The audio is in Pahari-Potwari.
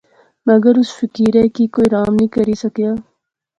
مگر اس فقیرے کی کوئی رام نی کری سکیا